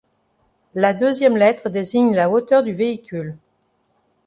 La deuxième lettre désigne la hauteur du véhicule.